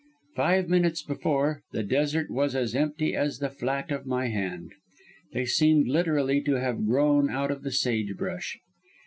Five minutes before, the desert was as empty as the flat of my hand. They seemed literally to have grown out of the sage brush.